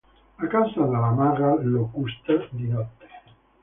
A casa della maga Locusta, di notte.